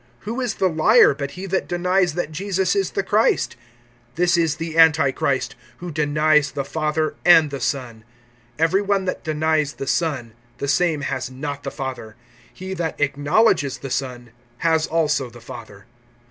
(22)Who is the liar, but he that denies that Jesus is the Christ? This is the antichrist, who denies the Father and the Son. (23)Every one that denies the Son, the same has not the Father; he that acknowledges the Son has also the Father.